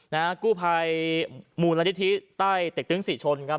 นะฮะกู้ภัยมูลนิธิใต้เต็กตึงศรีชนครับ